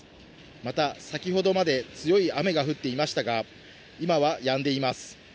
また、先ほどまで強い雨が降っていましたが、今はやんでいます。